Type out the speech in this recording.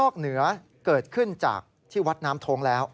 เกิดขึ้นจากที่วัดน้ำโทงแล้ว